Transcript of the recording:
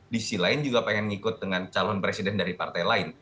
di sisi lain juga pengen ikut dengan calon presiden dari partai lain